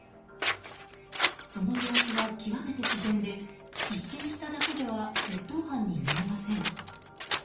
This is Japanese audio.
その様子は極めて自然で一見しただけでは窃盗犯に見えません。